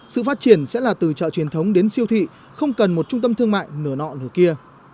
sự phát triển sẽ là từ chợ truyền thống đến siêu thị không cần một trung tâm thương mại nửa nọ kia